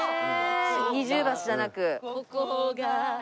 「二重橋」じゃなく。